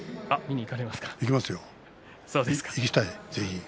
行きたいぜひ。